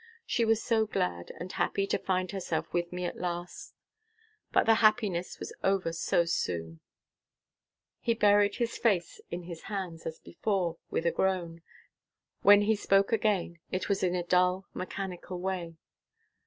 She was so glad and happy to find herself with me at last, but the happiness was over so soon." He buried his face in his hands as before, with a groan. When he spoke again, it was in a dull, mechanical way.